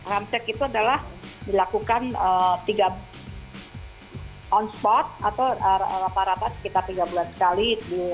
rem cek itu adalah dilakukan on spot atau rata rata sekitar tiga bulan sekali